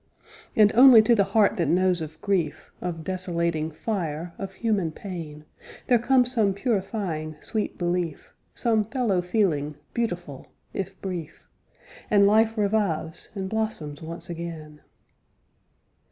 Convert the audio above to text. And only to the heart that knows of grief, Of desolating fire, of human pain, There comes some purifying sweet belief, Some fellow feeling beautiful, if brief. And life revives, and blossoms once again.